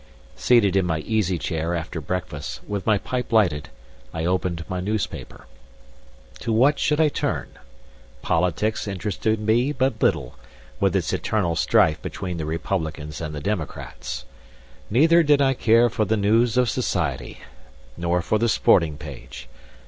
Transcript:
Seated in my easy chair after breakfast, with my pipe lighted, I opened my newspaper. To what should I turn? Politics interested me but little, with its eternal strife between the Republicans and the Democrats. Neither did I care for the news of society, nor for the sporting page.